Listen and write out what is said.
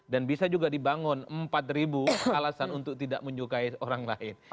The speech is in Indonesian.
dan bisa juga dibangun empat ribu alasan untuk tidak menyukai orang lain